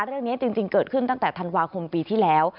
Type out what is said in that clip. เรื่องนี้จริงเกิดขึ้นตั้งแต่ธันวาคมปีที่แล้ว